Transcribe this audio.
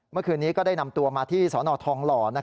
เมื่อคืนนี้ก็ได้นำตัวมาที่สนทองหล่อ